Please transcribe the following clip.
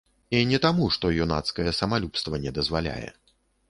І не таму, што юнацкае самалюбства не дазваляе.